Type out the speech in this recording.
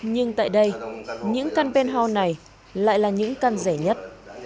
nhưng tại đây những căn penhal này lại là những căn rẻ nhất